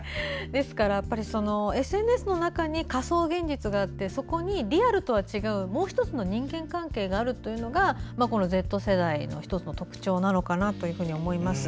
ですからＳＮＳの中に仮想現実があってそこにリアルとは違うもう１つの人間関係があるというのがＺ世代の１つの特徴なのかなと思います。